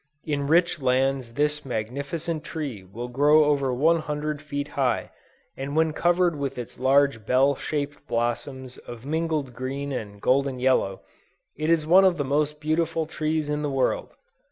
In rich lands this magnificent tree will grow over one hundred feet high, and when covered with its large bell shaped blossoms of mingled green and golden yellow, it is one of the most beautiful trees in the world.